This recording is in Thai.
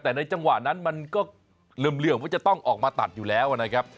แต่ในจังหวะนั้นมันก็เหลื่อมว่าจะต้องออกมาตัดอยู่แล้วนะครับ